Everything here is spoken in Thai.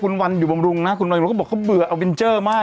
คุณวันอยู่บรรลุงนะคุณวันอยู่บรรลุงก็บอกเขาเบื่ออัลวินเจอร์มากนะ